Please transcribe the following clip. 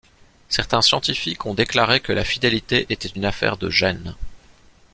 Certains scientifiques ont déclaré que la fidélité était une affaire de gènes.